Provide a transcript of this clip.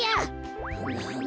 はんはん。